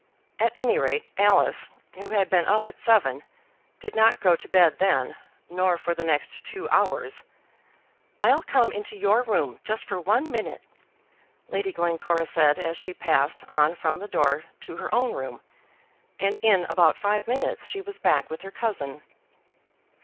At any rate, Alice, who had been up at seven, did not go to bed then, nor for the next two hours. "I'll come into your room just for one minute," Lady Glencora said as she passed on from the door to her own room; and in about five minutes she was back with her cousin.